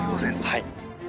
はい。